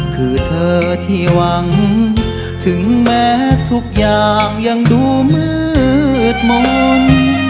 คือเธอที่หวังถึงแม้ทุกอย่างยังดูมืดมนต์